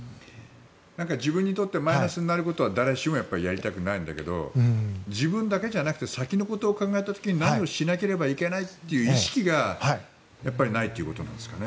自分にとってマイナスになることは誰しもやりたくないんだけど自分だけじゃなくて先のことを考えた時に何をしなければいけないという意識がやっぱりないということなんですかね。